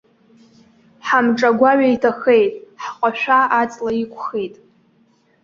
Хамҿы агәаҩа иҭахеит, ҳҟашәа аҵла иқәхеит.